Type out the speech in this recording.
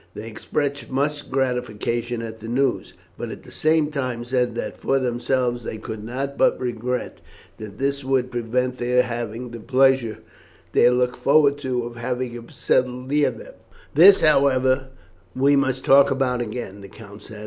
They expressed much gratification at the news, but at the same time said that for themselves they could not but regret that this would prevent their having the pleasure they had looked forward to of having him settled near them. "This, however, we must talk about again," the count said.